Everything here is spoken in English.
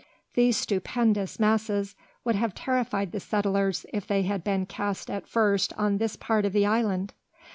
These stupendous masses would have terrified the settlers if they had been cast at first on this part of the island!